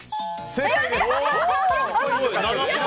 正解です！